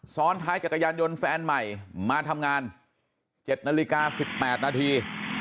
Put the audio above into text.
ซ้อนท้ายจักรยานยนต์แฟนใหม่มาทำงาน๗นาฬิกา๑๘นาที